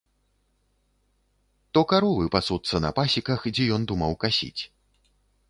То каровы пасуцца на пасеках, дзе ён думаў касіць.